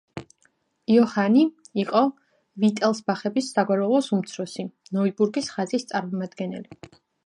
იოჰანი იყო ვიტელსბახების საგვარეულოს უმცროსი, ნოიბურგის ხაზის წარმომადგენელი.